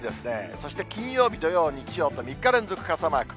そして金曜日、土曜、日曜と３日連続傘マーク。